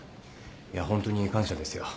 いやホントに感謝ですよ。